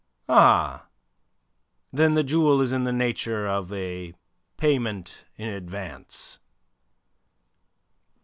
"Ah! Then the jewel is in the nature of a payment in advance."